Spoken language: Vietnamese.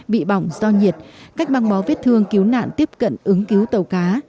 bị bỏng do nhiệt cách băng bó vết thương cứu nạn tiếp cận ứng cứu tàu cá